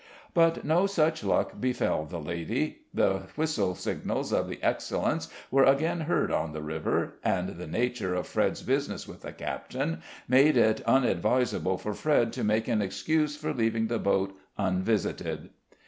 But no such luck befell the lady: the whistle signals of the Excellence were again heard in the river, and the nature of Fred's business with the captain made it unadvisable for Fred to make an excuse for leaving the boat unvisited.